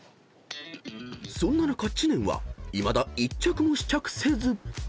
［そんな中知念はいまだ１着も試着せず］